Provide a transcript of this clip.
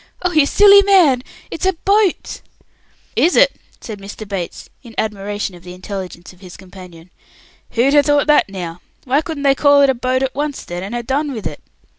Oh you silly man! It's a boat!" "Is it?" said Mr. Bates, in admiration of the intelligence of his companion. "Who'd ha' thought that now? Why couldn't they call it a boat at once, then, and ha' done with it?"